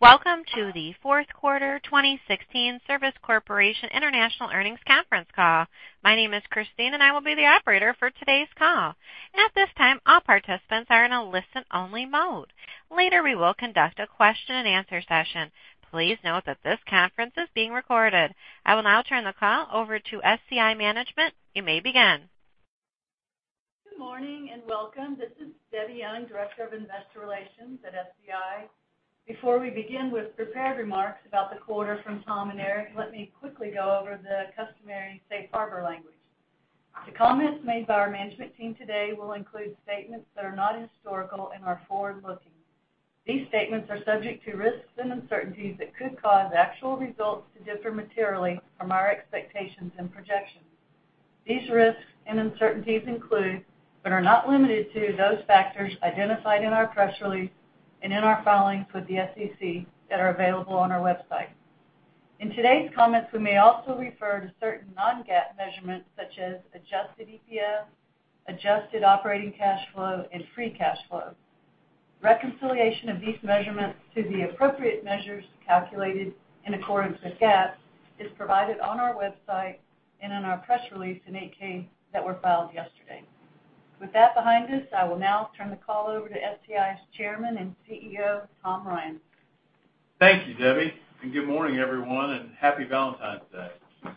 Welcome to the fourth quarter 2016 Service Corporation International Earnings Conference Call. My name is Christine, and I will be the operator for today's call. At this time, all participants are in a listen-only mode. Later, we will conduct a question and answer session. Please note that this conference is being recorded. I will now turn the call over to SCI management. You may begin. Good morning, and welcome. This is Debbie Young, Director of Investor Relations at SCI. Before we begin with prepared remarks about the quarter from Tom and Eric, let me quickly go over the customary safe harbor language. The comments made by our management team today will include statements that are not historical and are forward-looking. These statements are subject to risks and uncertainties that could cause actual results to differ materially from our expectations and projections. These risks and uncertainties include, but are not limited to, those factors identified in our press release and in our filings with the SEC that are available on our website. In today's comments, we may also refer to certain non-GAAP measurements such as adjusted EPS, adjusted operating cash flow, and free cash flow. Reconciliation of these measurements to the appropriate measures calculated in accordance with GAAP is provided on our website and in our press release and 8-K that were filed yesterday. With that behind us, I will now turn the call over to SCI's Chairman and CEO, Tom Ryan. Thank you, Debbie, and good morning, everyone, and happy Valentine's Day.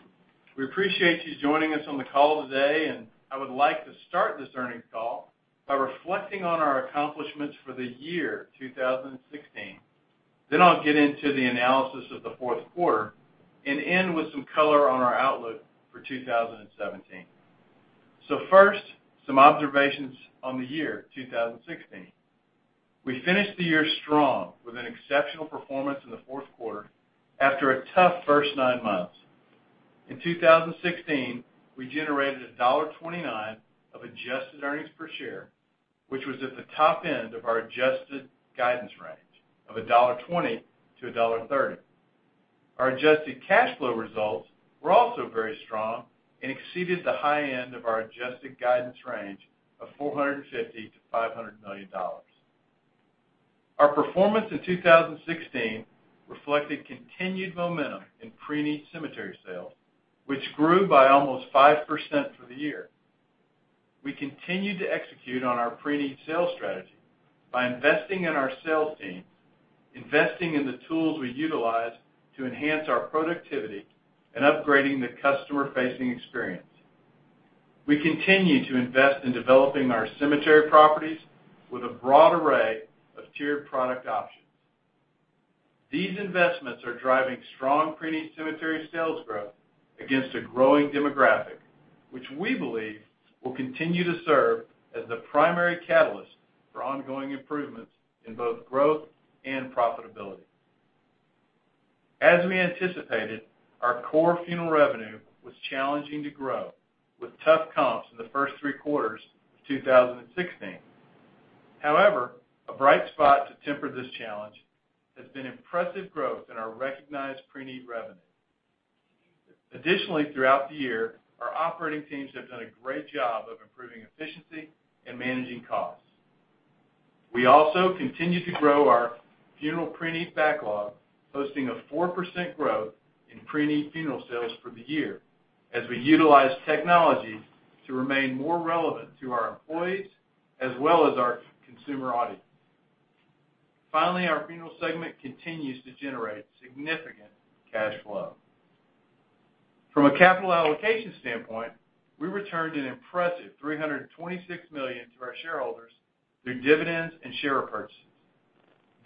We appreciate you joining us on the call today. I would like to start this earnings call by reflecting on our accomplishments for the year 2016. I'll get into the analysis of the fourth quarter and end with some color on our outlook for 2017. First, some observations on the year 2016. We finished the year strong with an exceptional performance in the fourth quarter after a tough first nine months. In 2016, we generated $1.29 of adjusted Earnings Per Share, which was at the top end of our adjusted guidance range of $1.20-$1.30. Our adjusted cash flow results were also very strong and exceeded the high end of our adjusted guidance range of $450 million-$500 million. Our performance in 2016 reflected continued momentum in pre-need cemetery sales, which grew by almost 5% for the year. We continued to execute on our pre-need sales strategy by investing in our sales team, investing in the tools we utilize to enhance our productivity, and upgrading the customer-facing experience. We continue to invest in developing our cemetery properties with a broad array of tiered product options. These investments are driving strong pre-need cemetery sales growth against a growing demographic, which we believe will continue to serve as the primary catalyst for ongoing improvements in both growth and profitability. As we anticipated, our core funeral revenue was challenging to grow with tough comps in the first three quarters of 2016. However, a bright spot to temper this challenge has been impressive growth in our recognized pre-need revenue. Throughout the year, our operating teams have done a great job of improving efficiency and managing costs. We also continue to grow our funeral pre-need backlog, posting a 4% growth in pre-need funeral sales for the year as we utilize technology to remain more relevant to our employees, as well as our consumer audience. Our funeral segment continues to generate significant cash flow. From a capital allocation standpoint, we returned an impressive $326 million to our shareholders through dividends and share repurchases.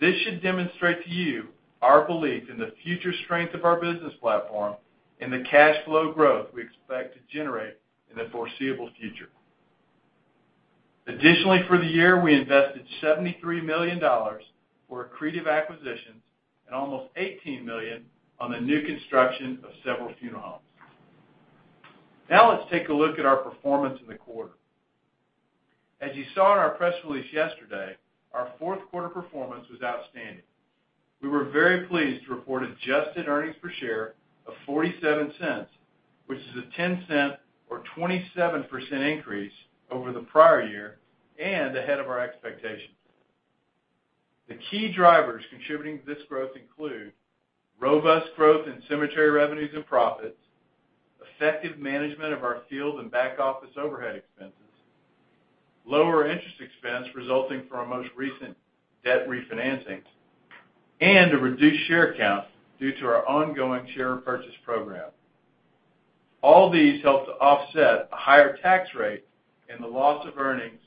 This should demonstrate to you our belief in the future strength of our business platform and the cash flow growth we expect to generate in the foreseeable future. For the year, we invested $73 million for accretive acquisitions and almost $18 million on the new construction of several funeral homes. Let's take a look at our performance in the quarter. As you saw in our press release yesterday, our fourth quarter performance was outstanding. We were very pleased to report adjusted earnings per share of $0.47, which is a $0.10 or 27% increase over the prior year and ahead of our expectations. The key drivers contributing to this growth include robust growth in cemetery revenues and profits, effective management of our field and back-office overhead expenses, lower interest expense resulting from our most recent debt refinancing, and a reduced share count due to our ongoing share repurchase program. All these helped to offset a higher tax rate and the loss of earnings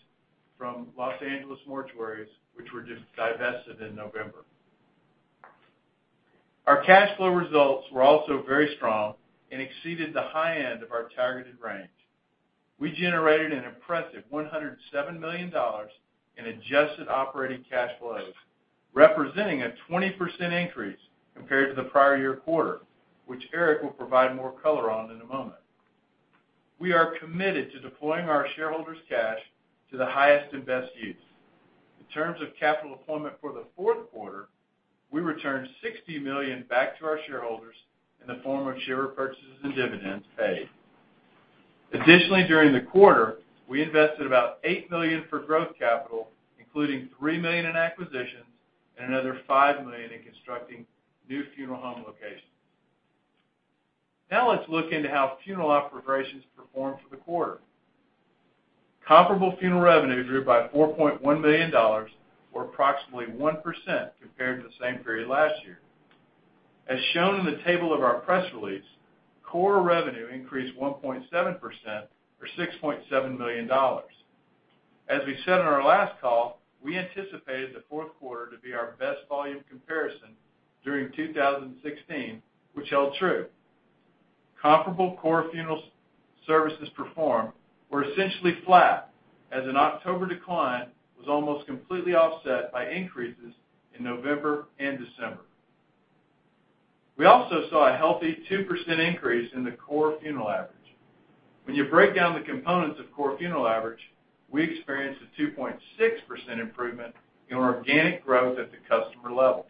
from Los Angeles Mortuaries, which were divested in November. Our cash flow results were also very strong and exceeded the high end of our targeted range. We generated an impressive $107 million in adjusted operating cash flows, representing a 20% increase compared to the prior year quarter, which Eric will provide more color on in a moment. We are committed to deploying our shareholders' cash to the highest and best use. In terms of capital deployment for the fourth quarter, we returned $60 million back to our shareholders in the form of share repurchases and dividends paid. During the quarter, we invested about $8 million for growth capital, including $3 million in acquisitions and another $5 million in constructing new funeral home locations. Let's look into how funeral operations performed for the quarter. Comparable funeral revenue grew by $4.1 million, or approximately 1% compared to the same period last year. As shown in the table of our press release, core revenue increased 1.7%, or $6.7 million. As we said on our last call, we anticipated the fourth quarter to be our best volume comparison during 2016, which held true. Comparable core funeral services performed were essentially flat, as an October decline was almost completely offset by increases in November and December. We also saw a healthy 2% increase in the core funeral average. When you break down the components of core funeral average, we experienced a 2.6% improvement in our organic growth at the customer level.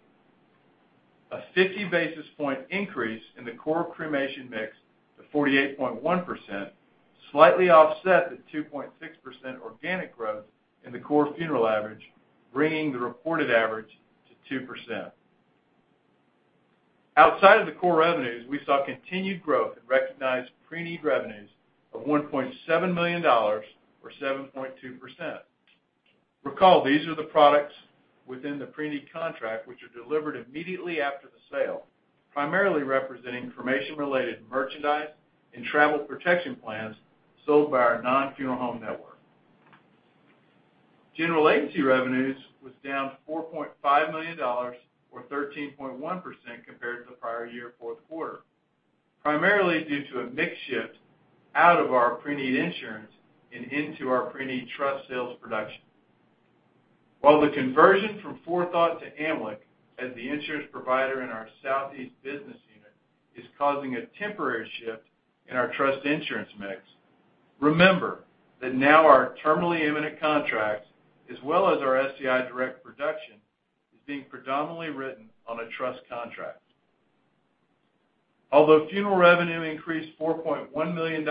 A 50 basis point increase in the core cremation mix to 48.1%, slightly offset the 2.6% organic growth in the core funeral average, bringing the reported average to 2%. Outside of the core revenues, we saw continued growth in recognized pre-need revenues of $1.7 million, or 7.2%. Recall, these are the products within the pre-need contract, which are delivered immediately after the sale, primarily representing information-related merchandise and travel protection plans sold by our non-funeral home network. General agency revenues was down $4.5 million or 13.1% compared to the prior year fourth quarter, primarily due to a mix shift out of our pre-need insurance and into our pre-need trust sales production. While the conversion from Forethought to AMLIC as the insurance provider in our Southeast business unit is causing a temporary shift in our trust insurance mix, remember that now our terminally imminent contracts, as well as our SCI Direct production, is being predominantly written on a trust contract. Although funeral revenue increased $4.1 million,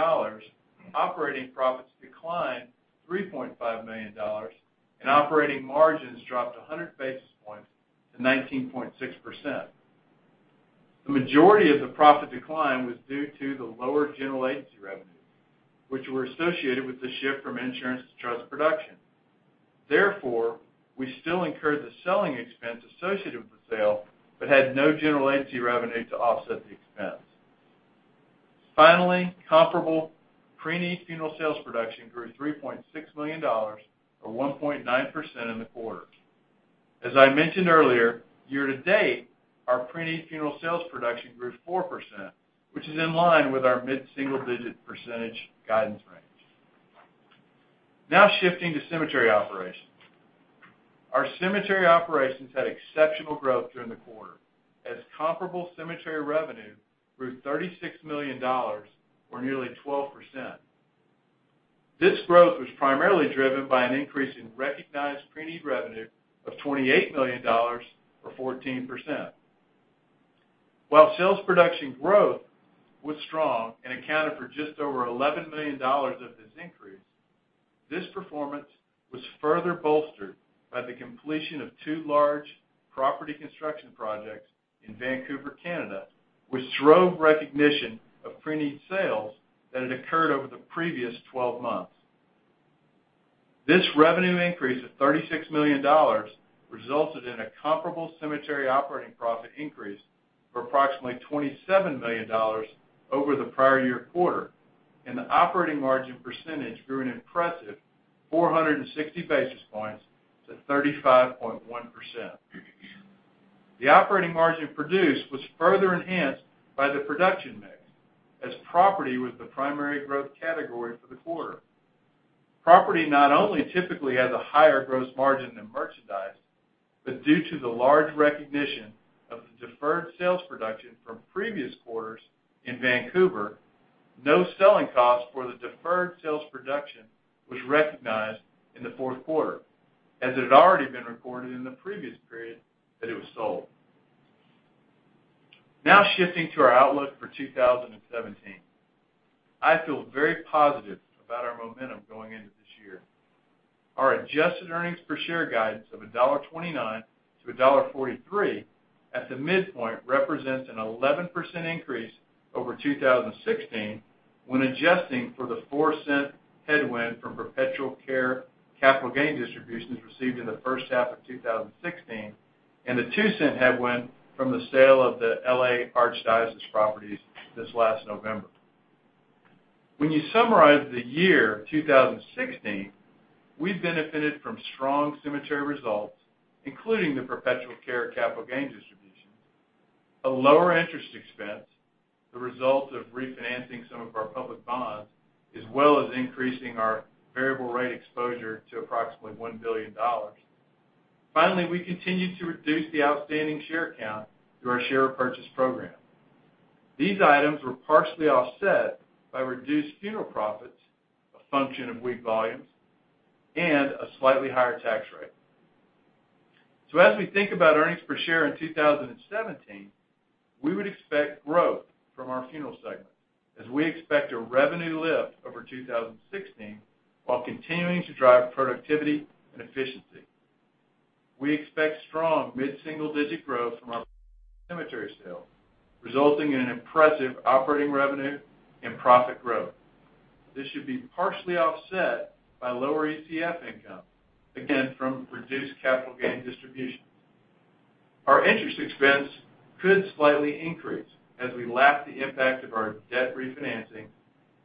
operating profits declined $3.5 million, and operating margins dropped 100 basis points to 19.6%. The majority of the profit decline was due to the lower general agency revenue, which were associated with the shift from insurance to trust production. Therefore, we still incurred the selling expense associated with the sale but had no general agency revenue to offset the expense. Finally, comparable pre-need funeral sales production grew $3.6 million or 1.9% in the quarter. As I mentioned earlier, year to date, our pre-need funeral sales production grew 4%, which is in line with our mid-single-digit percentage guidance range. Now shifting to cemetery operations. Our cemetery operations had exceptional growth during the quarter, as comparable cemetery revenue grew $36 million or nearly 12%. This growth was primarily driven by an increase in recognized pre-need revenue of $28 million or 14%. While sales production growth was strong and accounted for just over $11 million of this increase, this performance was further bolstered by the completion of two large property construction projects in Vancouver, Canada, which drove recognition of pre-need sales that had occurred over the previous 12 months. This revenue increase of $36 million resulted in a comparable cemetery operating profit increase of approximately $27 million over the prior year quarter, and the operating margin percentage grew an impressive 460 basis points to 35.1%. The operating margin produced was further enhanced by the production mix as property was the primary growth category for the quarter. Property not only typically has a higher gross margin than merchandise, due to the large recognition of the deferred sales production from previous quarters in Vancouver, no selling cost for the deferred sales production was recognized in the fourth quarter, as it had already been recorded in the previous period that it was sold. Shifting to our outlook for 2017. I feel very positive about our momentum going into this year. Our adjusted Earnings Per Share guidance of $1.29 to $1.43 at the midpoint represents an 11% increase over 2016 when adjusting for the $0.04 headwind from perpetual care capital gain distributions received in the first half of 2016, and a $0.02 headwind from the sale of the L.A. Archdiocese properties this last November. When you summarize the year 2016, we benefited from strong cemetery results, including the perpetual care capital gain distribution, a lower interest expense, the result of refinancing some of our public bonds, as well as increasing our variable rate exposure to approximately $1 billion. Finally, we continued to reduce the outstanding share count through our share purchase program. These items were partially offset by reduced funeral profits, a function of weak volumes, and a slightly higher tax rate. As we think about earnings per share in 2017, we would expect growth from our funeral segment as we expect a revenue lift over 2016, while continuing to drive productivity and efficiency. We expect strong mid-single-digit growth from our cemetery sales, resulting in an impressive operating revenue and profit growth. This should be partially offset by lower ETF income, again, from reduced capital gain distribution. Our interest expense could slightly increase as we lap the impact of our debt refinancing.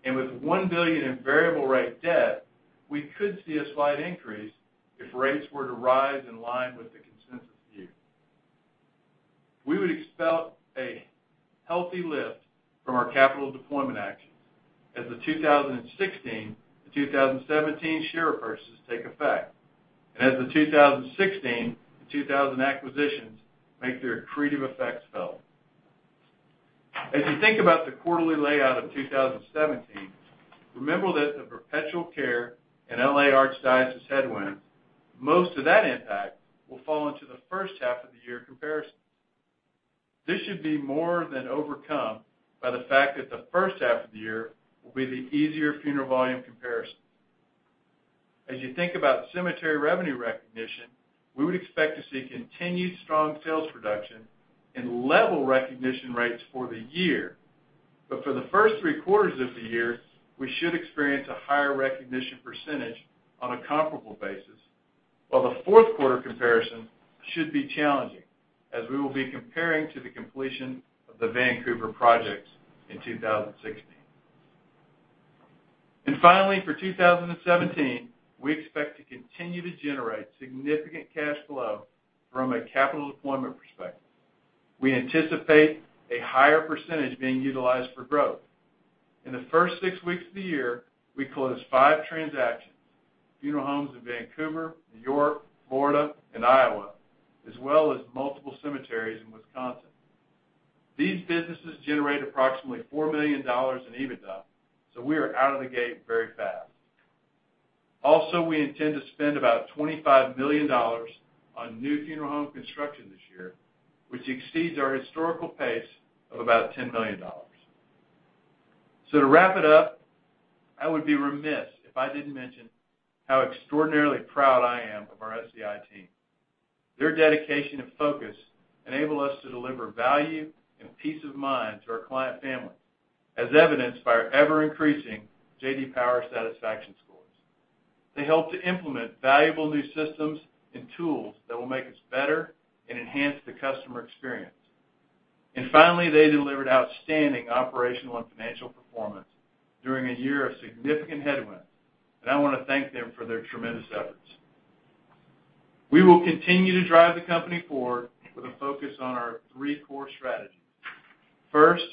With $1 billion in variable rate debt, we could see a slight increase if rates were to rise in line with the consensus view. We would expect a healthy lift from our capital deployment actions as the 2016 to 2017 share purchases take effect, and as the 2016 to 2000 acquisitions make their accretive effects felt. As you think about the quarterly layout of 2017, remember that the perpetual care and L.A. Archdiocese headwinds, most of that impact will fall into the first half of the year comparisons. This should be more than overcome by the fact that the first half of the year will be the easier funeral volume comparison. As you think about cemetery revenue recognition, we would expect to see continued strong sales production and level recognition rates for the year. For the first five quarters of the year, we should experience a higher recognition percentage on a comparable basis, while the fourth quarter comparison should be challenging, as we will be comparing to the completion of the Vancouver projects in 2016. Finally, for 2017, we expect to continue to generate significant cash flow from a capital deployment perspective. We anticipate a higher percentage being utilized for growth. In the first six weeks of the year, we closed five transactions, funeral homes in Vancouver, New York, Florida, and Iowa, as well as multiple cemeteries in Wisconsin. These businesses generate approximately $4 million in EBITDA, we are out of the gate very fast. Also, we intend to spend about $25 million on new funeral home construction this year, which exceeds our historical pace of about $10 million. To wrap it up, I would be remiss if I didn't mention how extraordinarily proud I am of our SCI team. Their dedication and focus enable us to deliver value and peace of mind to our client families, as evidenced by our ever-increasing J.D. Power satisfaction scores. They help to implement valuable new systems and tools that will make us better and enhance the customer experience. Finally, they delivered outstanding operational and financial performance during a year of significant headwinds, and I want to thank them for their tremendous efforts. We will continue to drive the company forward with a focus on our three core strategies. First,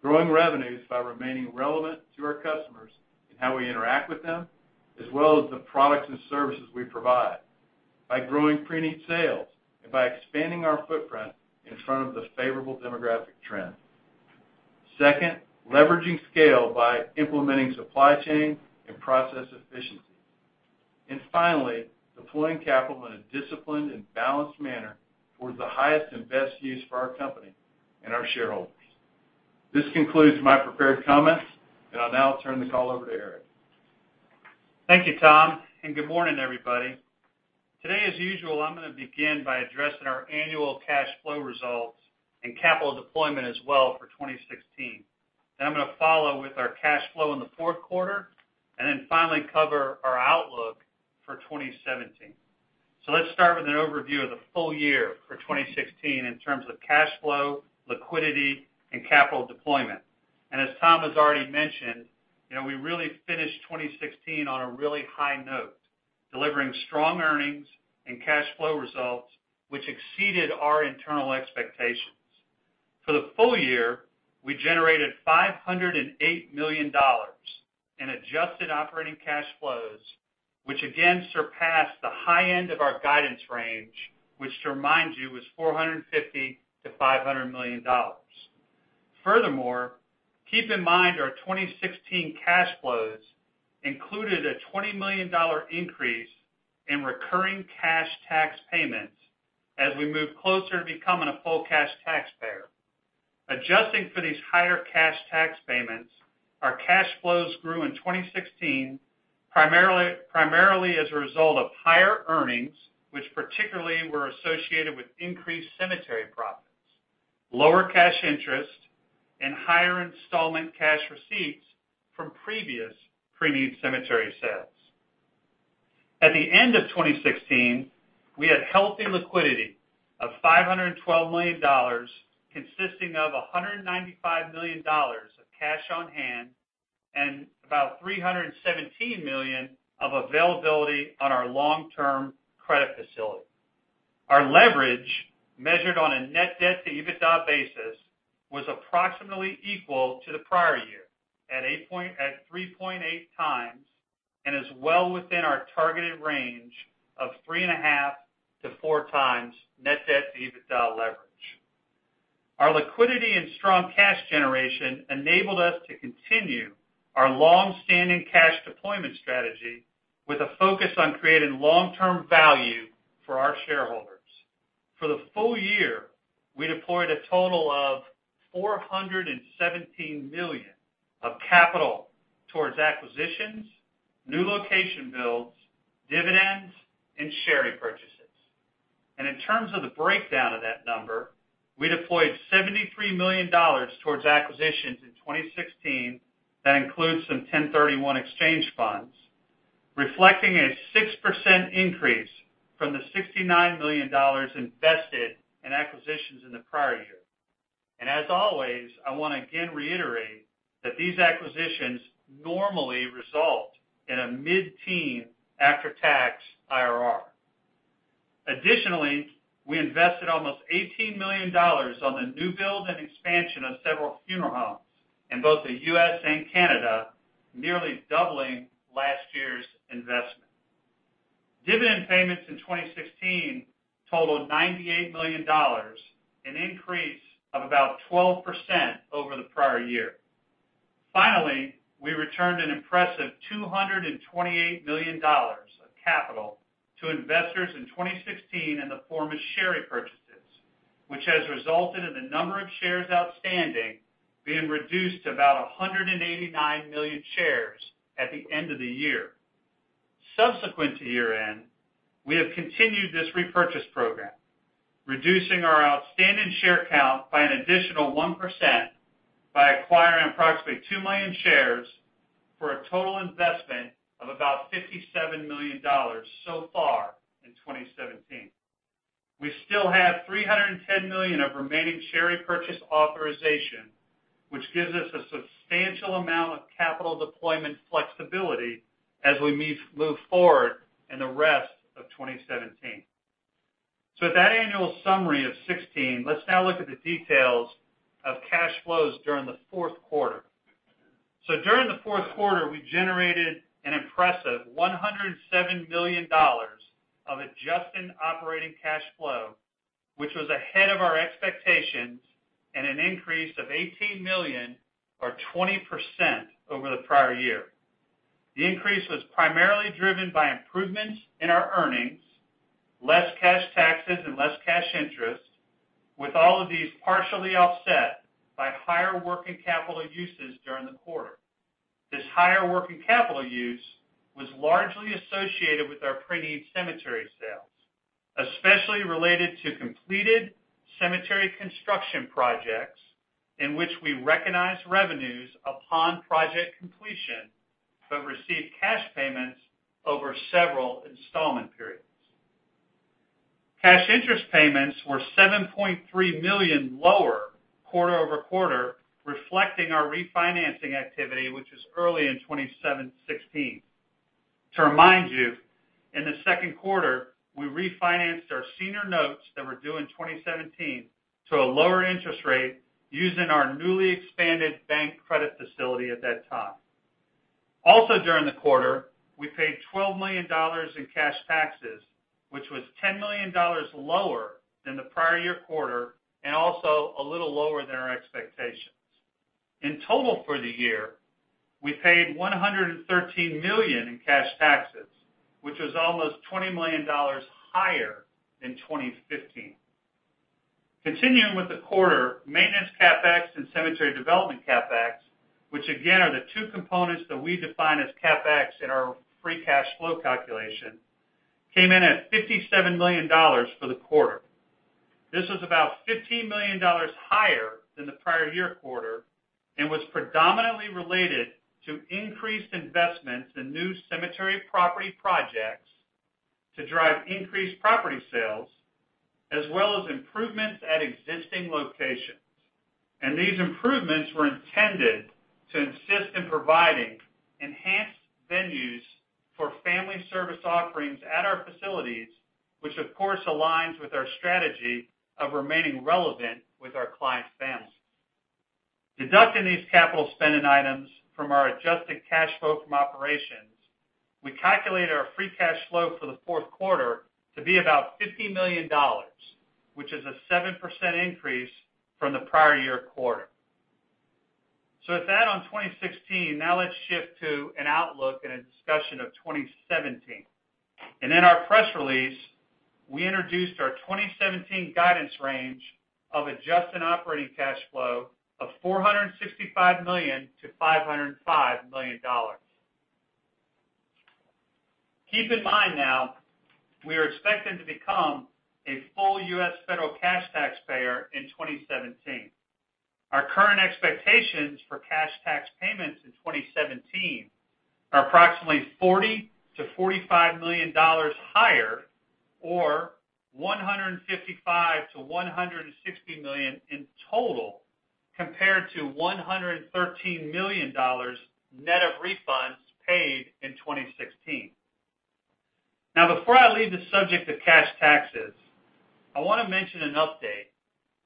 growing revenues by remaining relevant to our customers in how we interact with them, as well as the products and services we provide, by growing pre-need sales, and by expanding our footprint in front of the favorable demographic trends. Second, leveraging scale by implementing supply chain and process efficiencies. Finally, deploying capital in a disciplined and balanced manner towards the highest and best use for our company and our shareholders. This concludes my prepared comments, and I'll now turn the call over to Eric. Thank you, Tom, and good morning, everybody. Today, as usual, I'm going to begin by addressing our annual cash flow results and capital deployment as well for 2016. I'm going to follow with our cash flow in the fourth quarter, and then finally cover our outlook for 2017. Let's start with an overview of the full year for 2016 in terms of cash flow, liquidity, and capital deployment. As Tom has already mentioned, we really finished 2016 on a really high note, delivering strong earnings and cash flow results, which exceeded our internal expectations. For the full year, we generated $508 million in adjusted operating cash flows, which again surpassed the high end of our guidance range, which to remind you, was $450 million-$500 million. Furthermore, keep in mind our 2016 cash flows included a $20 million increase in recurring cash tax payments as we move closer to becoming a full cash taxpayer. Adjusting for these higher cash tax payments, our cash flows grew in 2016 primarily as a result of higher earnings, which particularly were associated with increased cemetery profits, lower cash interest, and higher installment cash receipts from previous pre-need cemetery sales. At the end of 2016, we had healthy liquidity of $512 million, consisting of $195 million of cash on hand and about $317 million of availability on our long-term credit facility. Our leverage, measured on a net debt to EBITDA basis, was approximately equal to the prior year at 3.8 times and is well within our targeted range of 3.5-4 times net debt to EBITDA leverage. Our liquidity and strong cash generation enabled us to continue our longstanding cash deployment strategy with a focus on creating long-term value for our shareholders. For the full year, we deployed a total of $417 million of capital towards acquisitions, new location builds, dividends, and share repurchases. In terms of the breakdown of that number, we deployed $73 million towards acquisitions in 2016, that includes some 1031 exchange funds, reflecting a 6% increase from the $69 million invested in acquisitions in the prior year. As always, I want to again reiterate that these acquisitions normally result in a mid-teen after-tax IRR. Additionally, we invested almost $18 million on the new build and expansion of several funeral homes in both the U.S. and Canada, nearly doubling last year's investment. Dividend payments in 2016 totaled $98 million, an increase of about 12% over the prior year. Finally, we returned an impressive $228 million of capital to investors in 2016 in the form of share repurchases, which has resulted in the number of shares outstanding being reduced to about 189 million shares at the end of the year. Subsequent to year-end, we have continued this repurchase program, reducing our outstanding share count by an additional 1% by acquiring approximately 2 million shares for a total investment of about $57 million so far in 2017. We still have $310 million of remaining share purchase authorization, which gives us a substantial amount of capital deployment flexibility as we move forward in the rest of 2017. With that annual summary of 2016, let's now look at the details of cash flows during the fourth quarter. During the fourth quarter, we generated an impressive $107 million of adjusted operating cash flow, which was ahead of our expectations and an increase of $18 million or 20% over the prior year. The increase was primarily driven by improvements in our earnings, less cash taxes, and less cash interest, with all of these partially offset by higher working capital uses during the quarter. This higher working capital use was largely associated with our pre-need cemetery sales, especially related to completed cemetery construction projects in which we recognized revenues upon project completion but received cash payments over several installment periods. Cash interest payments were $7.3 million lower quarter-over-quarter, reflecting our refinancing activity, which was early in 2016. To remind you, in the second quarter, we refinanced our senior notes that were due in 2017 to a lower interest rate using our newly expanded bank credit facility at that time. Also during the quarter, we paid $12 million in cash taxes, which was $10 million lower than the prior year quarter and also a little lower than our expectations. In total for the year, we paid $113 million in cash taxes, which was almost $20 million higher than 2015. Continuing with the quarter, maintenance CapEx and cemetery development CapEx, which again, are the two components that we define as CapEx in our free cash flow calculation, came in at $57 million for the quarter. This was about $15 million higher than the prior year quarter and was predominantly related to increased investments in new cemetery property projects to drive increased property sales, as well as improvements at existing locations. These improvements were intended to assist in providing enhanced venues for family service offerings at our facilities, which of course aligns with our strategy of remaining relevant with our clients' families. Deducting these capital spending items from our adjusted cash flow from operations, we calculate our free cash flow for the fourth quarter to be about $50 million, which is a 7% increase from the prior year quarter. With that on 2016, now let's shift to an outlook and a discussion of 2017. In our press release, we introduced our 2017 guidance range of adjusted operating cash flow of $465 million to $505 million. Keep in mind now, we are expecting to become a full U.S. federal cash taxpayer in 2017. Our current expectations for cash tax payments in 2017 are approximately $40 million-$45 million higher, or $155 million-$160 million in total, compared to $113 million net of refunds paid in 2016. Before I leave the subject of cash taxes, I want to mention an update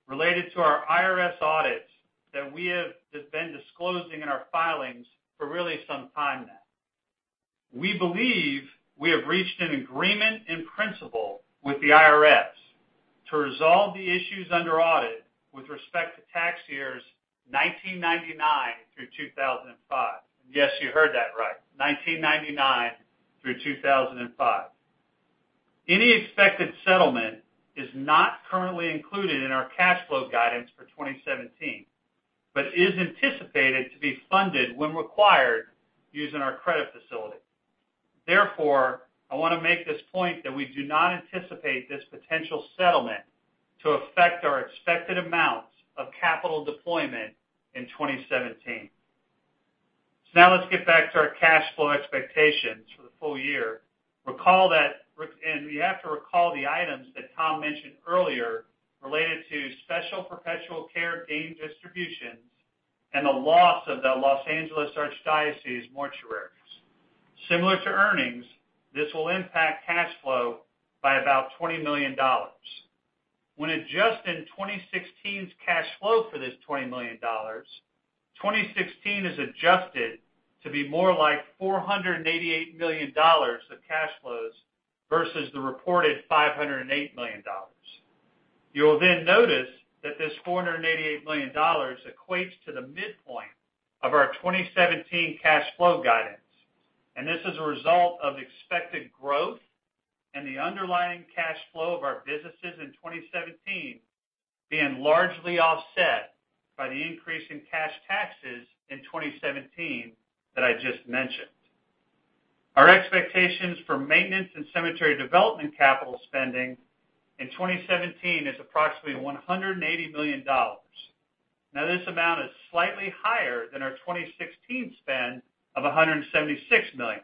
related to our IRS audits that we have just been disclosing in our filings for really some time now. We believe we have reached an agreement in principle with the IRS to resolve the issues under audit with respect to tax years 1999 through 2005. Yes, you heard that right, 1999 through 2005. Any expected settlement is not currently included in our cash flow guidance for 2017, but is anticipated to be funded when required using our credit facility. Therefore, I want to make this point that we do not anticipate this potential settlement to affect our expected amounts of capital deployment in 2017. Now let's get back to our cash flow expectations for the full year. You have to recall the items that Tom mentioned earlier related to special perpetual care gain distributions and the loss of the Los Angeles Archdiocese mortuaries. Similar to earnings, this will impact cash flow by about $20 million. When adjusting 2016's cash flow for this $20 million, 2016 is adjusted to be more like $488 million of cash flows versus the reported $508 million. You will then notice that this $488 million equates to the midpoint of our 2017 cash flow guidance, this is a result of expected growth and the underlying cash flow of our businesses in 2017 being largely offset by the increase in cash taxes in 2017 that I just mentioned. Our expectations for maintenance and cemetery development capital spending in 2017 is approximately $180 million. This amount is slightly higher than our 2016 spend of $176 million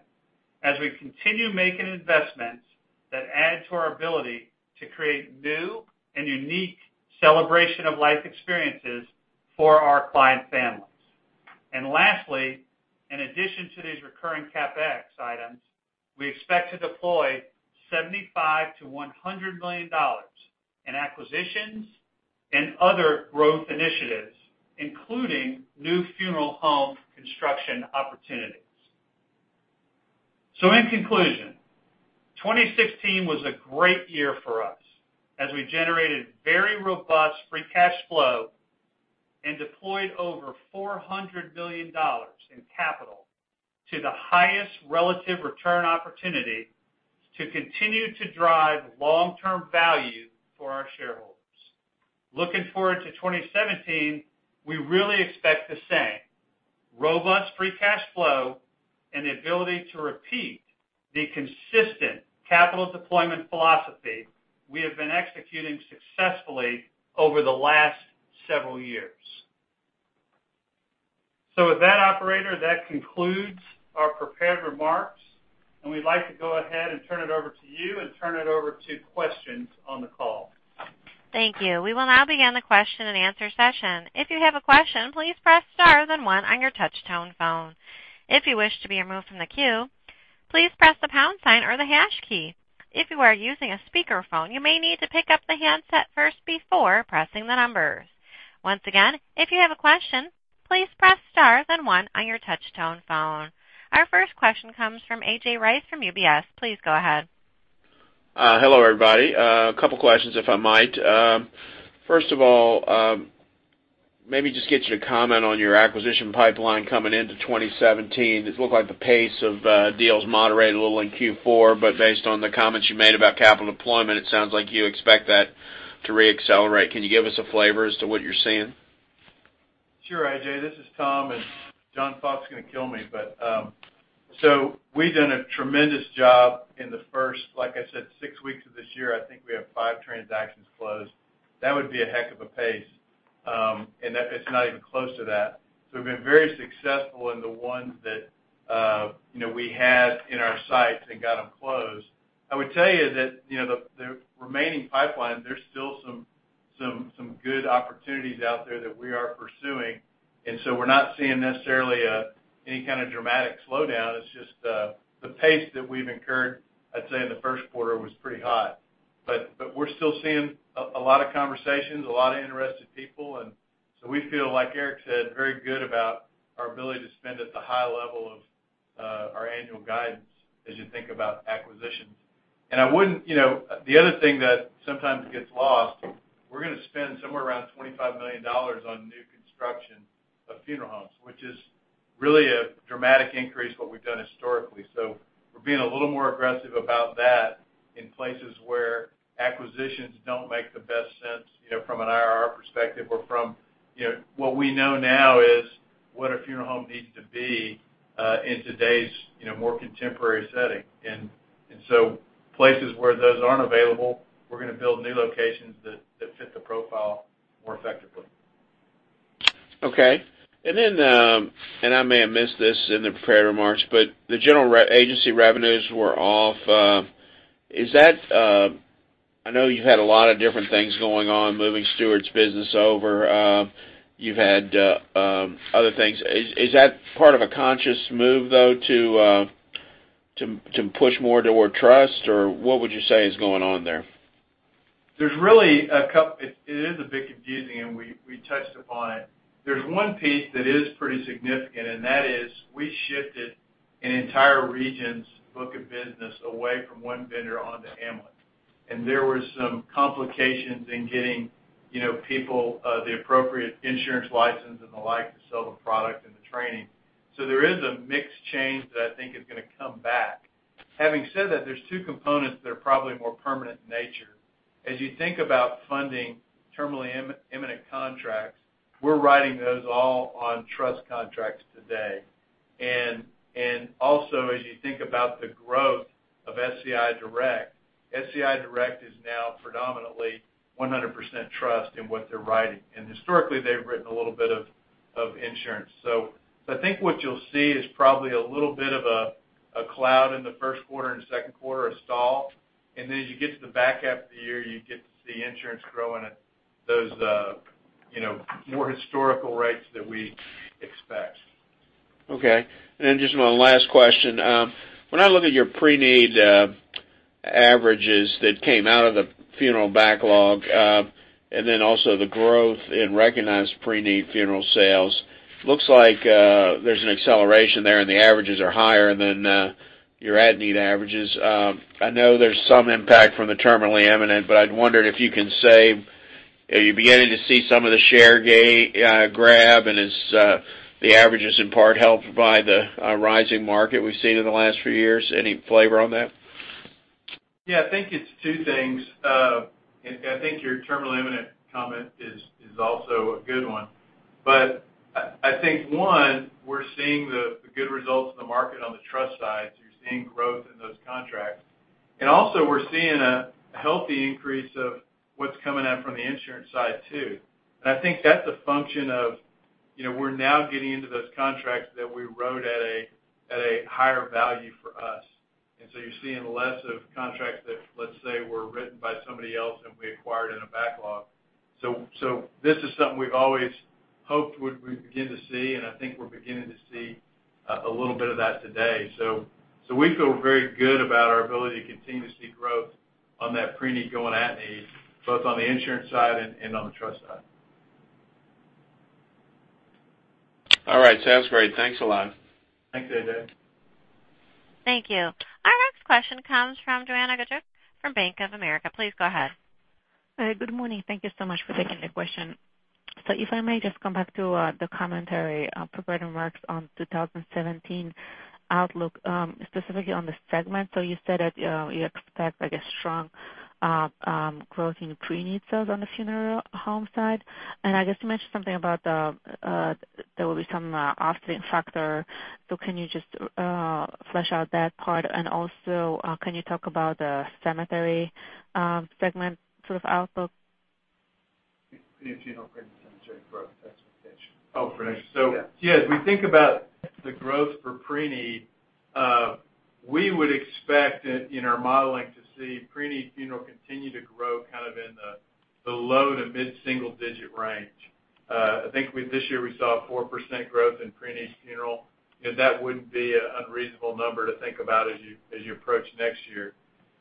as we continue making investments that add to our ability to create new and unique celebration of life experiences for our clients' families. Lastly, in addition to these recurring CapEx items, we expect to deploy $75 million-$100 million in acquisitions and other growth initiatives, including new funeral home construction opportunities. In conclusion, 2016 was a great year for us as we generated very robust free cash flow and deployed over $400 million in capital to the highest relative return opportunity to continue to drive long-term value for our shareholders. Looking forward to 2017, we really expect the same: robust free cash flow and the ability to repeat the consistent capital deployment philosophy we have been executing successfully over the last several years. With that, Operator, that concludes our prepared remarks, and we'd like to go ahead and turn it over to you and turn it over to questions on the call. Thank you. We will now begin the question and answer session. If you have a question, please press star then one on your touch-tone phone. If you wish to be removed from the queue, please press the pound sign or the hash key. If you are using a speakerphone, you may need to pick up the handset first before pressing the numbers. Once again, if you have a question, please press star then one on your touch-tone phone. Our first question comes from A.J. Rice from UBS. Please go ahead. Hello, everybody. A couple questions, if I might. First of all, maybe just get you to comment on your acquisition pipeline coming into 2017. It looked like the pace of deals moderated a little in Q4, but based on the comments you made about capital deployment, it sounds like you expect that to re-accelerate. Can you give us a flavor as to what you're seeing? Sure, A.J. This is Tom, and John Faulk is going to kill me. We've done a tremendous job in the first, like I said, six weeks of this year. I think we have five transactions closed. That would be a heck of a pace, and it's not even close to that. We've been very successful in the ones that we had in our sights and got them closed. I would tell you that the remaining pipeline, there's still some good opportunities out there that we are pursuing, and we're not seeing necessarily any kind of dramatic slowdown. It's just the pace that we've incurred, I'd say, in the first quarter was pretty hot. We're still seeing a lot of conversations, a lot of interested people, we feel, like Eric said, very good about our ability to spend at the high level of our annual guidance as you think about acquisitions. The other thing that sometimes gets lost, we're going to spend somewhere around $25 million on new construction of funeral homes, which is really a dramatic increase from what we've done historically. We're being a little more aggressive about that in places where acquisitions don't make the best sense from an IRR perspective or from what we know now is what a funeral home needs to be in today's more contemporary setting. Places where those aren't available, we're going to build new locations that fit the profile more effectively. Okay. I may have missed this in the prepared remarks, the general agency revenues were off. I know you've had a lot of different things going on, moving Stuart's business over. You've had other things. Is that part of a conscious move, though, to push more toward trust, or what would you say is going on there? It is a bit confusing, we touched upon it. There's one piece that is pretty significant, that is we shifted an entire region's book of business away from one vendor onto AMLIC. There were some complications in getting people the appropriate insurance license and the like to sell the product and the training. There is a mixed change that I think is going to come back. Having said that, there's two components that are probably more permanent in nature. As you think about funding terminally imminent contracts, we're writing those all on trust contracts today. Also, as you think about the growth of SCI Direct, SCI Direct is now predominantly 100% trust in what they're writing. Historically, they've written a little bit of insurance. I think what you'll see is probably a little bit of a cloud in the first quarter and second quarter, a stall. As you get to the back half of the year, you get to see insurance growing at those more historical rates that we expect. Just one last question. When I look at your pre-need averages that came out of the funeral backlog, also the growth in recognized pre-need funeral sales, looks like there's an acceleration there, and the averages are higher than your at-need averages. I know there's some impact from the terminally imminent, but I'd wondered if you can say are you beginning to see some of the share grab, and is the averages in part helped by the rising market we've seen in the last few years? Any flavor on that? I think it's two things. I think your terminally imminent comment is also a good one. I think, one, we're seeing the good results in the market on the trust side, so you're seeing growth in those contracts. Also, we're seeing a healthy increase of what's coming in from the insurance side, too. I think that's a function of we're now getting into those contracts that we wrote at a higher value for us. You're seeing less of contracts that, let's say, were written by somebody else, and we acquired in a backlog. This is something we've always hoped we'd begin to see, and I think we're beginning to see a little bit of that today. We feel very good about our ability to continue to see growth on that pre-need going at-need, both on the insurance side and on the trust side. All right. Sounds great. Thanks a lot. Thanks, A.J. Thank you. Our next question comes from Joanna Gajuk from Bank of America. Please go ahead. Good morning. Thank you so much for taking the question. If I may just come back to the commentary prepared remarks on 2017 outlook, specifically on this segment. You said that you expect, I guess, strong growth in pre-need sales on the funeral home side. I guess you mentioned something about there will be some offsetting factor. Can you just flesh out that part? Also, can you talk about the cemetery segment sort of outlook? Pre-need funeral pre-cemetery growth expectation. Pre-need. As we think about the growth for pre-need, we would expect in our modeling to see pre-need funeral continue to grow kind of in the low to mid-single digit range. I think this year we saw 4% growth in pre-need funeral, and that wouldn't be an unreasonable number to think about as you approach next year.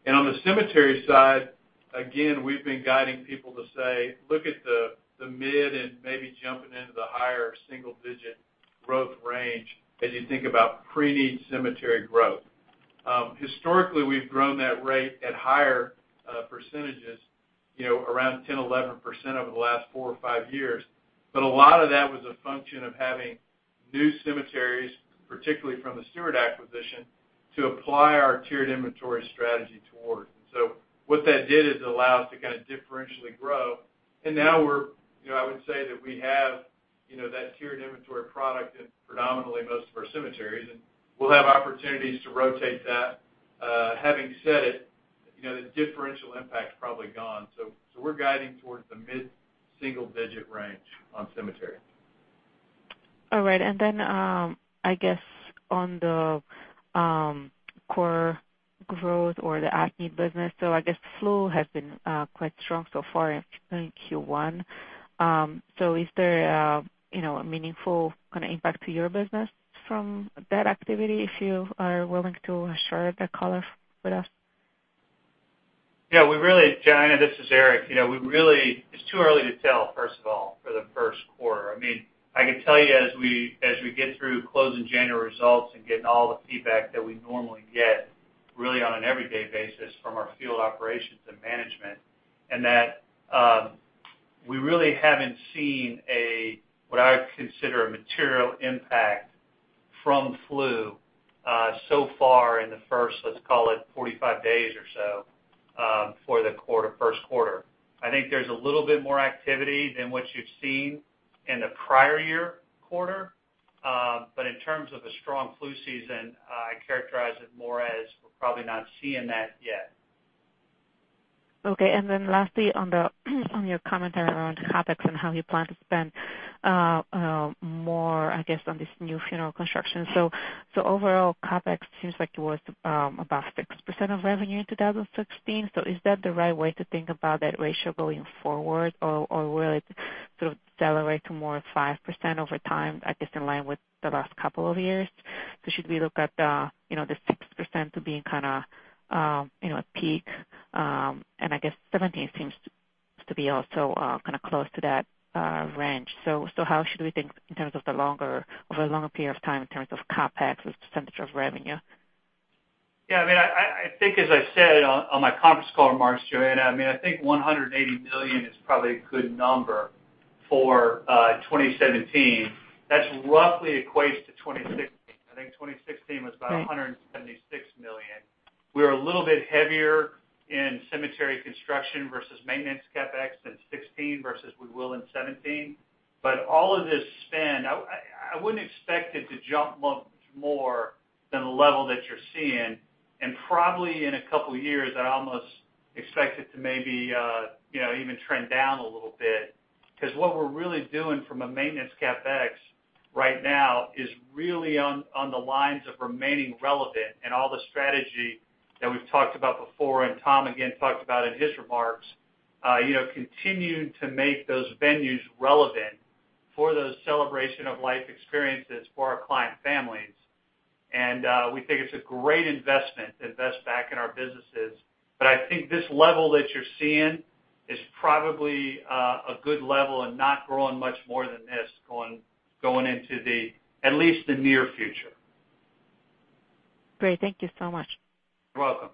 On the cemetery side, again, we've been guiding people to say, look at the mid and maybe jumping into the higher single-digit growth range as you think about pre-need cemetery growth. Historically, we've grown that rate at higher percentages, around 10%, 11% over the last four or five years. A lot of that was a function of having new cemeteries, particularly from the Stewart acquisition, to apply our tiered inventory strategy toward. What that did is allow us to kind of differentially grow. Now I would say that we have that tiered inventory product in predominantly most of our cemeteries, and we'll have opportunities to rotate that. Having said it, the differential impact's probably gone. We're guiding towards the mid-single-digit range on cemetery. All right. I guess on the core growth or the at-need business. I guess flu has been quite strong so far in Q1. Is there a meaningful kind of impact to your business from that activity? If you are willing to share the color with us. Yeah. Joanna, this is Eric. It's too early to tell, first of all, for the first quarter. I can tell you as we get through closing January results and getting all the feedback that we normally get, really on an everyday basis from our field operations and management, in that we really haven't seen what I would consider a material impact from flu so far in the first, let's call it, 45 days or so for the first quarter. I think there's a little bit more activity than what you've seen in the prior-year quarter. In terms of a strong flu season, I characterize it more as we're probably not seeing that yet. Okay. Lastly, on your commentary around CapEx and how you plan to spend more, I guess, on this new funeral construction. Overall, CapEx seems like it was about 6% of revenue in 2016. Is that the right way to think about that ratio going forward? Or will it sort of accelerate to more of 5% over time, I guess, in line with the last couple of years? Should we look at the 6% to being kind of a peak? I guess 2017 seems to be also kind of close to that range. How should we think in terms of the longer, over a longer period of time in terms of CapEx as a percentage of revenue? Yeah, as I said on my conference call remarks, Joanna, I think $180 million is probably a good number for 2017. That roughly equates to 2016. I think 2016 was about $176 million. We were a little bit heavier in cemetery construction versus maintenance CapEx in 2016 versus we will in 2017. All of this spend, I wouldn't expect it to jump much more than the level that you're seeing. Probably in a couple of years, I almost expect it to maybe even trend down a little bit. Because what we're really doing from a maintenance CapEx right now is really on the lines of remaining relevant and all the strategy that we've talked about before, and Tom again, talked about in his remarks, continuing to make those venues relevant for those celebration of life experiences for our client families. We think it's a great investment to invest back in our businesses. I think this level that you're seeing is probably a good level and not growing much more than this going into the, at least the near future. Great. Thank you so much. You're welcome.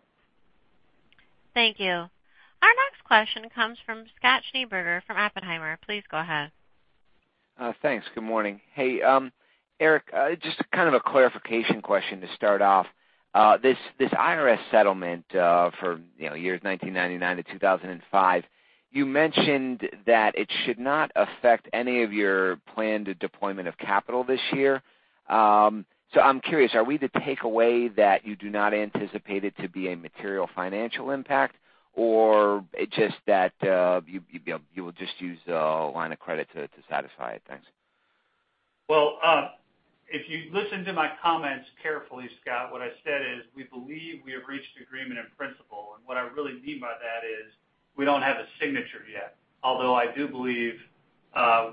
Thank you. Our next question comes from Scott Schneeberger from Oppenheimer. Please go ahead. Thanks. Good morning. Hey, Eric, just a clarification question to start off. This IRS settlement, for years 1999 to 2005, you mentioned that it should not affect any of your planned deployment of capital this year. I'm curious, are we to take away that you do not anticipate it to be a material financial impact, or it's just that you will just use the line of credit to satisfy it? Thanks. Well, if you listen to my comments carefully, Scott, what I said is, we believe we have reached an agreement in principle. What I really mean by that is, we don't have a signature yet, although I do believe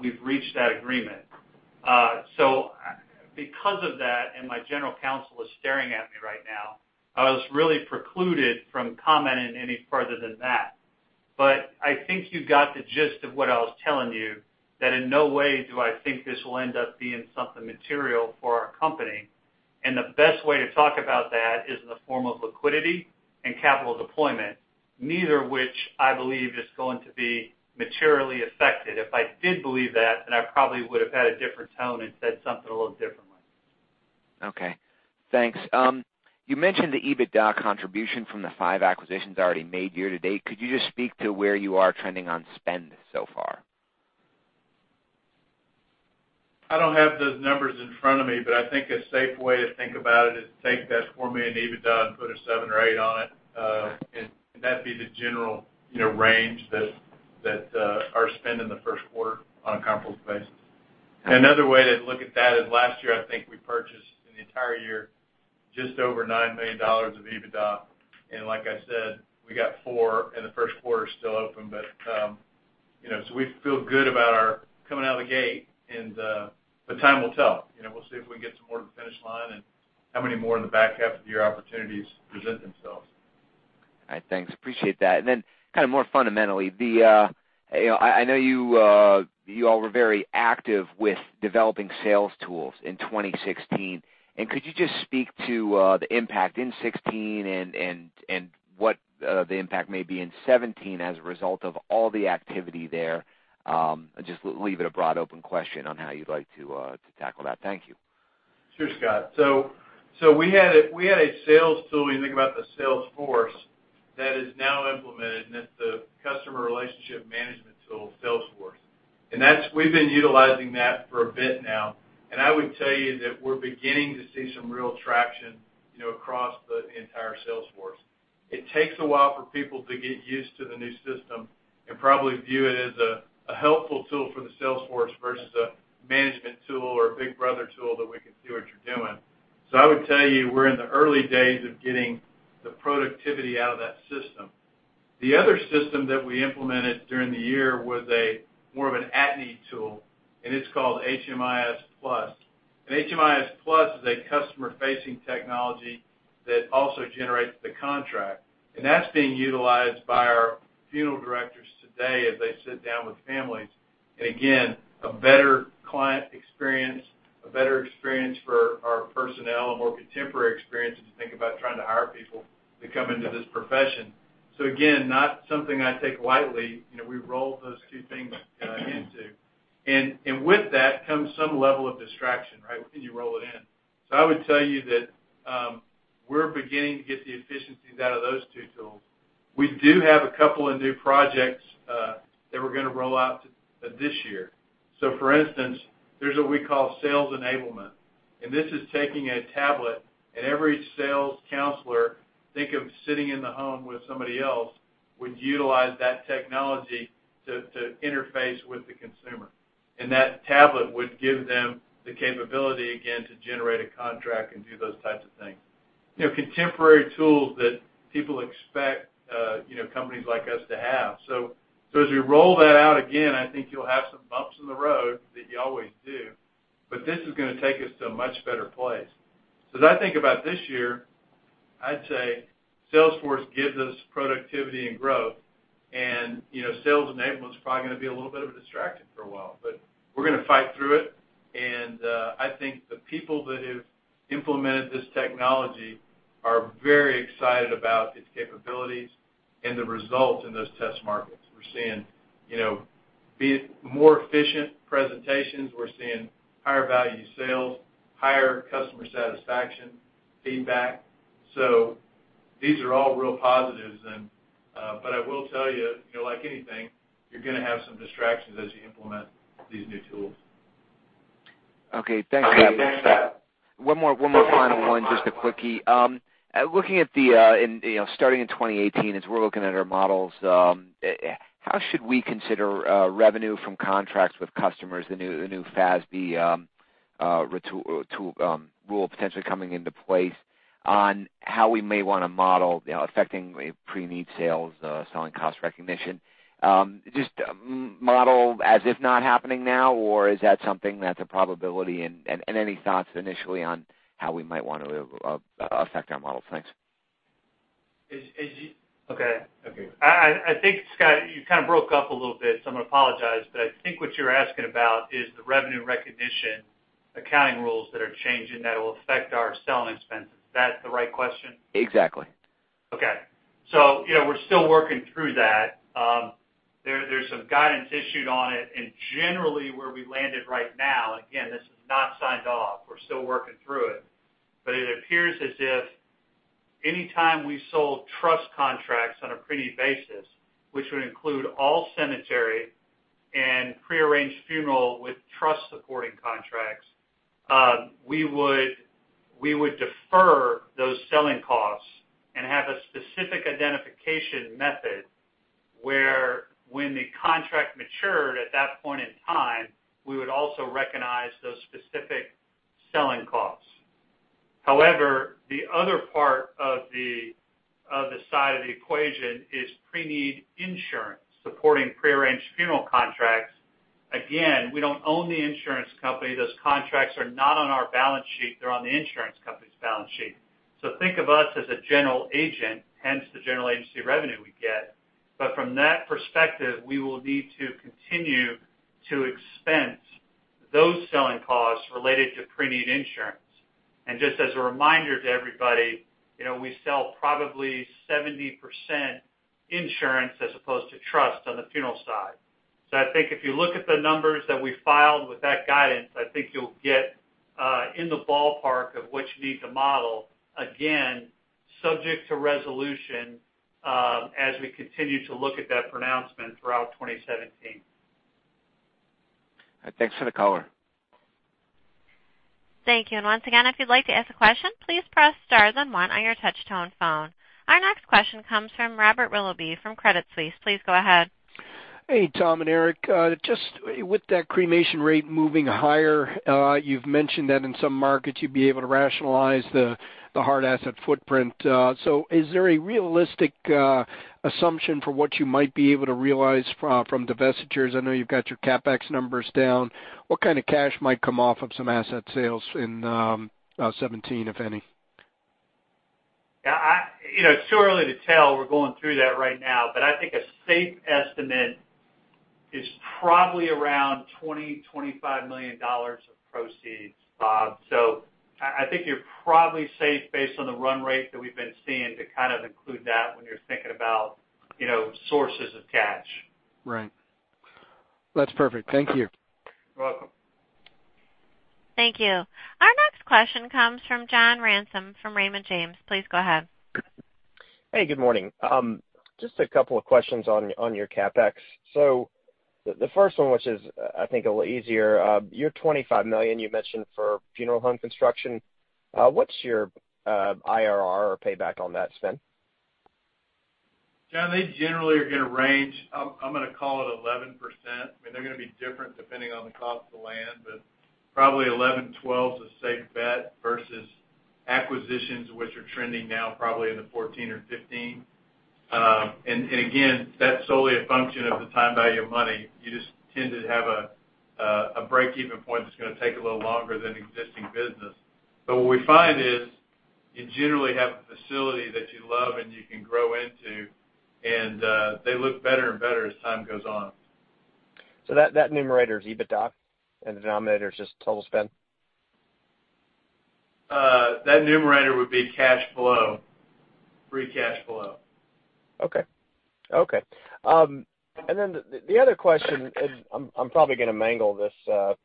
we've reached that agreement. Because of that, and my general counsel is staring at me right now, I was really precluded from commenting any further than that. I think you got the gist of what I was telling you, that in no way do I think this will end up being something material for our company, and the best way to talk about that is in the form of liquidity and capital deployment, neither of which I believe is going to be materially affected. If I did believe that, I probably would've had a different tone and said something a little differently. Okay. Thanks. You mentioned the EBITDA contribution from the five acquisitions already made year to date. Could you just speak to where you are trending on spend so far? I don't have those numbers in front of me, but I think a safe way to think about it is take that $4 million in EBITDA and put a seven or eight on it. That would be the general range that our spend in the first quarter on a comparable space. Another way to look at that is last year, I think we purchased in the entire year, just over $9 million of EBITDA. Like I said, we got 4, and the first quarter is still open. We feel good about our coming out of the gate, but time will tell. We'll see if we can get some more to the finish line and how many more in the back half of the year opportunities present themselves. All right. Thanks. Appreciate that. Then kind of more fundamentally, I know you all were very active with developing sales tools in 2016. Could you just speak to the impact in 2016 and what the impact may be in 2017 as a result of all the activity there? I'll just leave it a broad open question on how you'd like to tackle that. Thank you. Sure, Scott. We had a sales tool, when you think about the sales force that is now implemented, and it's the customer relationship management tool, Salesforce. We've been utilizing that for a bit now, and I would tell you that we're beginning to see some real traction across the entire Salesforce. It takes a while for people to get used to the new system and probably view it as a helpful tool for the Salesforce versus a management tool or a Big Brother tool that we can see what you're doing. I would tell you, we're in the early days of getting the productivity out of that system. The other system that we implemented during the year was a more of an at-need tool, and it's called HMIS Plus. HMIS Plus is a customer-facing technology that also generates the contract. That's being utilized by our funeral directors today as they sit down with families. Again, a better client experience, a better experience for our personnel, a more contemporary experience as you think about trying to hire people to come into this profession. Again, not something I take lightly. We rolled those two things into. With that comes some level of distraction, right? When you roll it in. I would tell you that we're beginning to get the efficiencies out of those two tools. We do have a couple of new projects that we're going to roll out this year. For instance, there's what we call sales enablement, and this is taking a tablet, and every sales counselor, think of sitting in the home with somebody else, would utilize that technology to interface with the consumer. That tablet would give them the capability, again, to generate a contract and do those types of things. Contemporary tools that people expect companies like us to have. As we roll that out, again, I think you'll have some bumps in the road that you always do, but this is going to take us to a much better place. As I think about this year I'd say Salesforce gives us productivity and growth, sales enablement is probably going to be a little bit of a distraction for a while, but we're going to fight through it. I think the people that have implemented this technology are very excited about its capabilities and the results in those test markets. We're seeing more efficient presentations. We're seeing higher value sales, higher customer satisfaction feedback. These are all real positives. But I will tell you, like anything, you're going to have some distractions as you implement these new tools. Okay. Thanks. One more final one, just a quickie. Starting in 2018, as we're looking at our models, how should we consider revenue from contracts with customers, the new FASB rule potentially coming into place on how we may want to model affecting pre-need sales, selling cost recognition? Just model as if not happening now, or is that something that's a probability, and any thoughts initially on how we might want to affect our models? Thanks. Okay. I think, Scott, you kind of broke up a little bit, I'm going to apologize. I think what you're asking about is the revenue recognition accounting rules that are changing that will affect our selling expenses. Is that the right question? Exactly. Okay. We're still working through that. There's some guidance issued on it, and generally where we landed right now, again, this is not signed off, we're still working through it. It appears as if anytime we sold trust contracts on a pre-need basis, which would include all cemetery and pre-arranged funeral with trust-supporting contracts, we would defer those selling costs and have a specific identification method where when the contract matured at that point in time, we would also recognize those specific selling costs. However, the other part of the side of the equation is pre-need insurance supporting pre-arranged funeral contracts. Again, we don't own the insurance company. Those contracts are not on our balance sheet. They're on the insurance company's balance sheet. Think of us as a general agent, hence the general agency revenue we get. From that perspective, we will need to continue to expense those selling costs related to pre-need insurance. Just as a reminder to everybody, we sell probably 70% insurance as opposed to trust on the funeral side. I think if you look at the numbers that we filed with that guidance, I think you'll get in the ballpark of what you need to model. Again, subject to resolution as we continue to look at that pronouncement throughout 2017. Thanks for the color. Thank you. Once again, if you'd like to ask a question, please press star then one on your touch-tone phone. Our next question comes from Robert Willoughby from Credit Suisse. Please go ahead. Hey, Tom and Eric. With that cremation rate moving higher, you've mentioned that in some markets you'd be able to rationalize the hard asset footprint. Is there a realistic assumption for what you might be able to realize from divestitures? I know you've got your CapEx numbers down. What kind of cash might come off of some asset sales in 2017, if any? It's too early to tell. We're going through that right now. I think a safe estimate is probably around $20 million-$25 million of proceeds, Bob. I think you're probably safe based on the run rate that we've been seeing to kind of include that when you're thinking about sources of cash. Right. That's perfect. Thank you. You're welcome. Thank you. Our next question comes from John Ransom from Raymond James. Please go ahead. Hey, good morning. Just a couple of questions on your CapEx. The first one, which is, I think, a little easier. Your $25 million you mentioned for funeral home construction, what's your IRR or payback on that spend? John, they generally are going to range, I'm going to call it 11%. I mean, they're going to be different depending on the cost of land, but probably 11, 12 is a safe bet versus acquisitions, which are trending now probably in the 14 or 15. Again, that's solely a function of the time value of money. You just tend to have a breakeven point that's going to take a little longer than existing business. What we find is you generally have a facility that you love and you can grow into, and they look better and better as time goes on. That numerator is EBITDA, the denominator is just total spend? That numerator would be cash flow, free cash flow. Okay. The other question is, I'm probably going to mangle this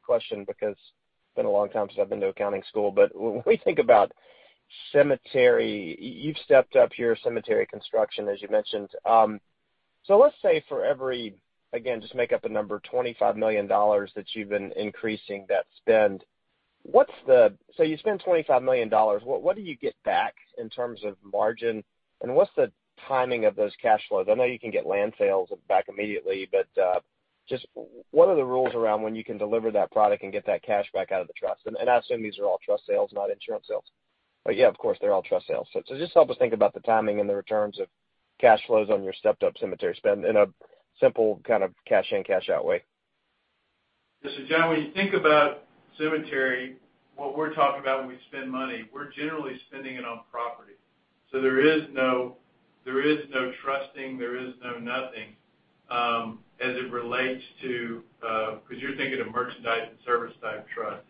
question because it's been a long time since I've been to accounting school. When we think about cemetery, you've stepped up your cemetery construction, as you mentioned. Let's say for every, again, just make up a number, $25 million that you've been increasing that spend. You spend $25 million, what do you get back in terms of margin? What's the timing of those cash flows? I know you can get land sales back immediately, just what are the rules around when you can deliver that product and get that cash back out of the trust? I assume these are all trust sales, not insurance sales. Yeah, of course, they're all trust sales. Just help us think about the timing and the returns of cash flows on your stepped up cemetery spend in a simple kind of cash in, cash out way. Listen, John, when you think about cemetery, what we're talking about when we spend money, we're generally spending it on property. There is no trusting, there is no nothing as it relates to, because you're thinking of merchandise and service-type trust.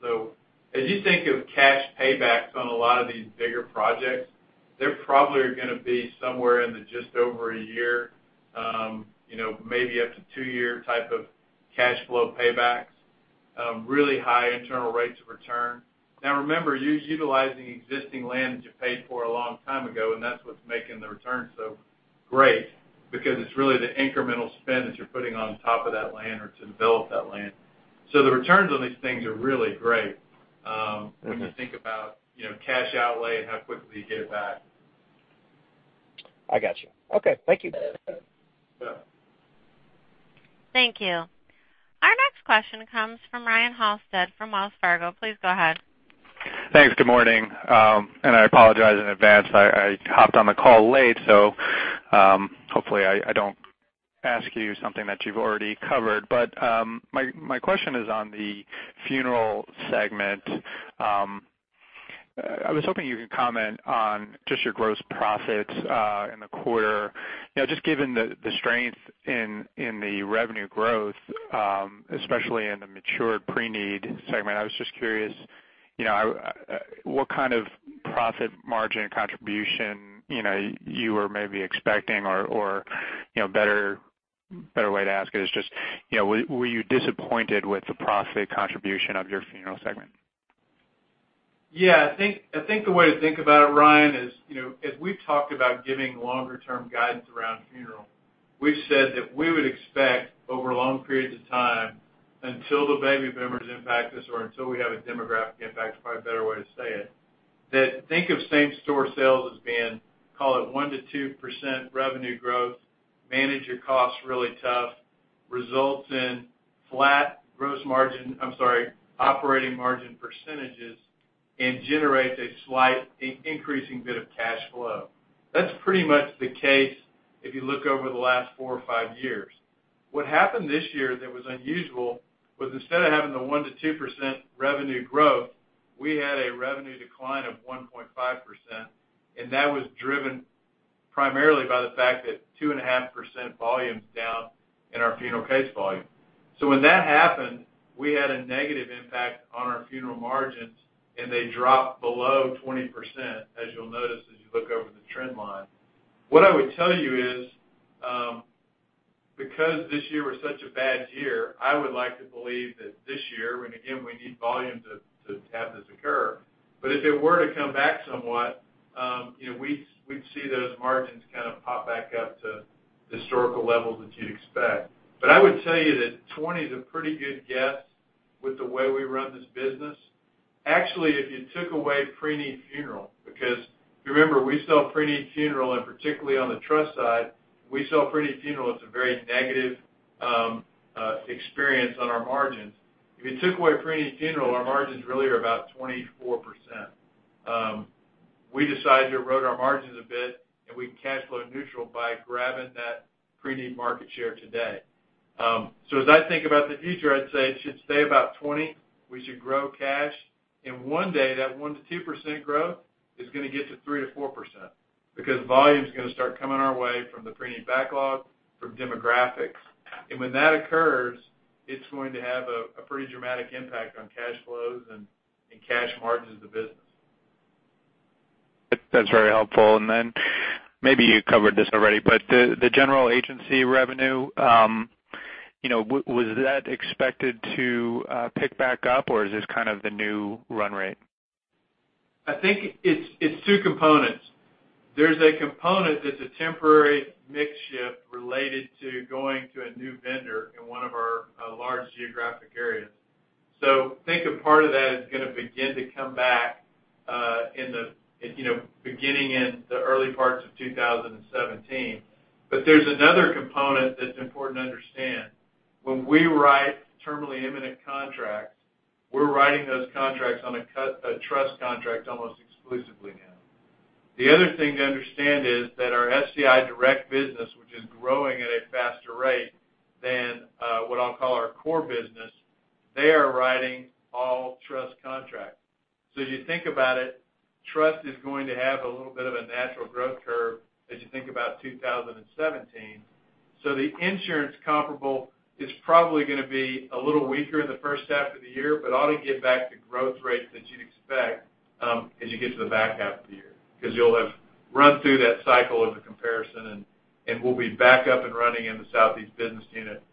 As you think of cash paybacks on a lot of these bigger projects, they're probably going to be somewhere in the just over a year, maybe up to two-year type of cash flow paybacks, really high internal rates of return. Remember, you're utilizing existing land that you paid for a long time ago, and that's what's making the return so great, because it's really the incremental spend that you're putting on top of that land or to develop that land. The returns on these things are really great. when you think about cash outlay and how quickly you get it back. I got you. Okay. Thank you. You bet. Thank you. Our next question comes from Ryan Halsted from Wells Fargo. Please go ahead. Thanks. Good morning. I apologize in advance. I hopped on the call late, so hopefully I don't ask you something that you've already covered. My question is on the funeral segment. I was hoping you could comment on just your gross profits in the quarter. Just given the strength in the revenue growth, especially in the mature pre-need segment, I was just curious, what kind of profit margin contribution you were maybe expecting or, better way to ask it is just, were you disappointed with the profit contribution of your funeral segment? Yeah. I think the way to think about it, Ryan, is as we've talked about giving longer-term guidance around funeral, we've said that we would expect over long periods of time until the baby boomers impact us or until we have a demographic impact, is probably a better way to say it, that think of same-store sales as being, call it, 1%-2% revenue growth, manage your costs really tough, results in flat gross margin I'm sorry, operating margin percentages, and generates a slight increasing bit of cash flow. That's pretty much the case if you look over the last four or five years. What happened this year that was unusual was instead of having the 1%-2% revenue growth, we had a revenue decline of 1.5%, and that was driven primarily by the fact that 2.5% volume's down in our funeral case volume. When that happened, we had a negative impact on our funeral margins, and they dropped below 20%, as you'll notice as you look over the trend line. What I would tell you is, because this year was such a bad year, I would like to believe that this year, when, again, we need volume to have this occur. If it were to come back somewhat, we'd see those margins kind of pop back up to historical levels that you'd expect. I would tell you that 20's a pretty good guess with the way we run this business. Actually, if you took away pre-need funeral, because if you remember, we sell pre-need funeral, and particularly on the trust side, we sell pre-need funeral as a very negative experience on our margins. If you took away pre-need funeral, our margins really are about 24%. We decided to erode our margins a bit and be cash flow neutral by grabbing that pre-need market share today. As I think about the future, I'd say it should stay about 20. We should grow cash. In one day, that 1%-2% growth is going to get to 3%-4%, because volume's going to start coming our way from the pre-need backlog, from demographics. When that occurs, it's going to have a pretty dramatic impact on cash flows and cash margins of the business. That's very helpful. Maybe you covered this already, but the general agency revenue, was that expected to pick back up, or is this kind of the new run rate? I think it's two components. There's a component that's a temporary mix shift related to going to a new vendor in one of our large geographic areas. Think a part of that is going to begin to come back beginning in the early parts of 2017. There's another component that's important to understand. When we write terminally imminent contracts, we're writing those contracts on a trust contract almost exclusively now. The other thing to understand is that our SCI Direct business, which is growing at a faster rate than what I'll call our core business, they are writing all trust contracts. As you think about it, trust is going to have a little bit of a natural growth curve as you think about 2017. The insurance comparable is probably going to be a little weaker in the first half of the year, but ought to get back to growth rates that you'd expect as you get to the back half of the year. You'll have run through that cycle of the comparison, and we'll be back up and running in the Southeast business unit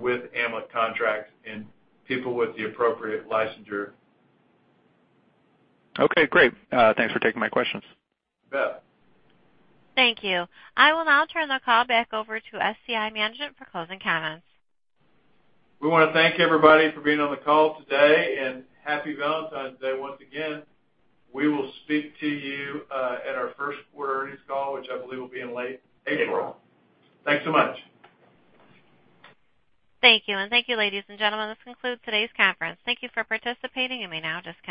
with AMLIC contracts and people with the appropriate licensure. Okay, great. Thanks for taking my questions. You bet. Thank you. I will now turn the call back over to SCI management for closing comments. We want to thank everybody for being on the call today. Happy Valentine's Day once again. We will speak to you at our first quarter earnings call, which I believe will be in late April. Thanks so much. Thank you. Thank you, ladies and gentlemen. This concludes today's conference. Thank you for participating. You may now disconnect.